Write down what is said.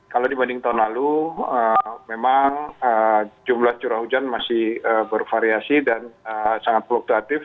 kalau dibanding tahun lalu memang jumlah curah hujan masih bervariasi dan sangat fluktuatif